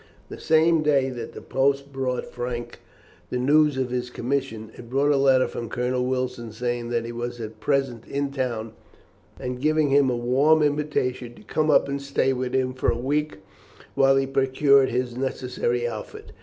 The same day that the post brought Frank the news of his commission, it brought a letter from Colonel Wilson saying that he was at present in town, and giving him a warm invitation to come up and stay with him for a week, while he procured his necessary outfit.